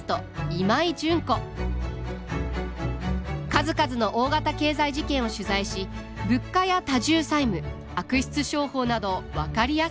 数々の大型経済事件を取材し物価や多重債務悪質商法などを分かりやすく解説。